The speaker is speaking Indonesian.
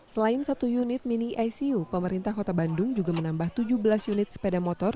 selain satu unit mini icu pemerintah kota bandung juga menambah tujuh belas unit sepeda motor